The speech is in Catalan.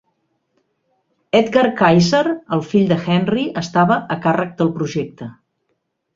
Edgar Kaiser, el fill de Henry, estava a càrrec del projecte.